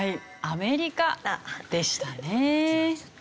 アメリカでしたね。